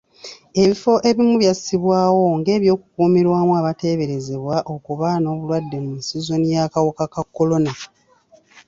Ebifo ebimu byassibwawo ng'eby'okukuumirwamu abateeberezebwa okuba n'obulwadde mu sizona y'akawuka ka kolona.